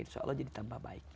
insya allah jadi tambah baik